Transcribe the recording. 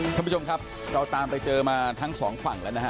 ท่านผู้ชมครับเราตามไปเจอมาทั้งสองฝั่งแล้วนะฮะ